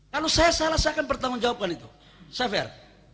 kalau saya salah saya akan pertanggung jawaban itu saya fair